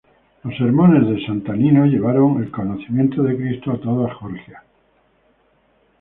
Los sermones de Santa Nino llevaron el conocimiento de Cristo a toda Georgia.